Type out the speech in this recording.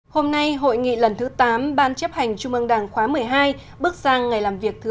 hôm nay hội nghị lần thứ tám ban chấp hành trung ương đảng khóa một mươi hai bước sang ngày làm việc thứ ba